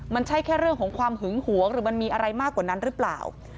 มันใช่แค่เรื่องของความหึงหวงหรือมันมีอะไรมากกว่านั้นหรือเปล่า